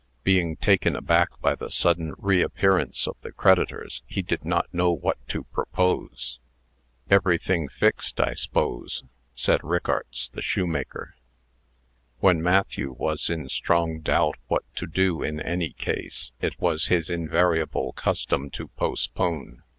Being taken aback by the sudden reappearance of the creditors, he did not know what to propose. "Everything fixed, I s'pose?" said Rickarts, the shoemaker. When Matthew was in strong doubt what to do in any case, it was his invariable custom to postpone.